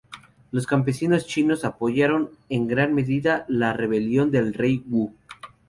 Los campesinos chinos apoyaron en gran medida la rebelión del Rey Wu.